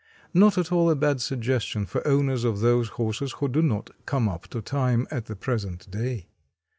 Not at all a bad suggestion for owners of those horses who do not "come up to time" at the present day.